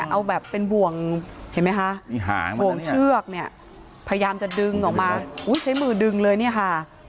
เอาแบบเป็นบวงเชือกเนี่ยพยายามจะดึงออกมาใช้มือดึงเลยนี่ค่ะ